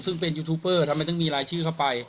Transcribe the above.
ซึ่งเป็นยูทูปเปอร์ทำไมต้องมีรายชื่อเข้าไป